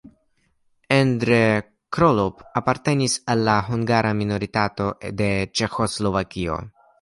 Endre Krolopp apartenis al la hungara minoritato de Ĉeĥoslovakio.